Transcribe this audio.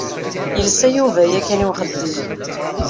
Yelsa Yuba yakan i uxeddim.